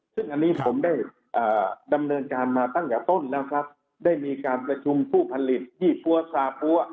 ซึ่งอันนี้ผมได้ดำเนินการมาตั้งแต่ต้นแล้วครับได้มีการประชุมผู้ผลิตยี่ปั้วซาปั้ว